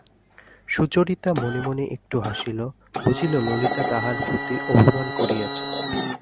সুচরিতা মনে মনে একটু হাসিল, বুঝিল ললিতা তাহার প্রতি অভিমান করিয়াছে।